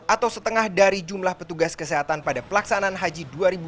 atau setengah dari jumlah petugas kesehatan pada pelaksanaan haji dua ribu dua puluh